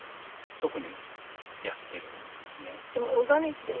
手でやってるんですか？